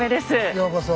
ようこそ。